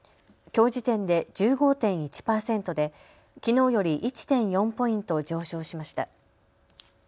きょう時点で１５．１％できのうより１．４ポイント上昇しました。